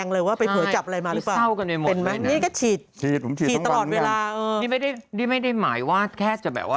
โลชั่นก็ไม่ทาแล้ว